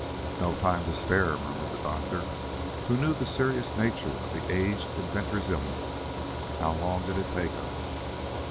"No time to spare," murmured the doctor, who knew the serious nature of the aged inventor's illness. "How long did it take us?"